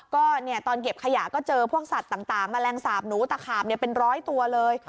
ก็ตอนเก็บขยะก็เจอพวกสัตว์ต่างแมลงสาบหนูตะขาบเป็นร้อยตัวเลย